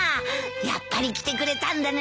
やっぱり来てくれたんだね。